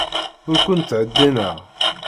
Ur ken-ttheddineɣ.